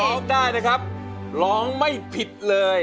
ร้องได้นะครับร้องไม่ผิดเลย